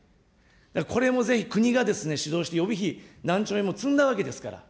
これもぜひ、国がですね、主導して予備費、何兆円も積んだわけですから。